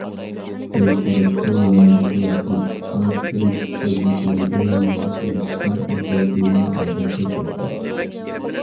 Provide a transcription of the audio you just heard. كۆز قاراشتا يېڭىلىق يارىتىش كونكرېت خىزمەتلەردە يېڭىلىق يارىتىشنىڭ ئاساسى ھەم ئالدىنقى شەرتى.